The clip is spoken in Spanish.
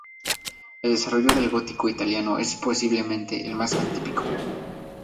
El desarrollo del gótico italiano es posiblemente el más atípico.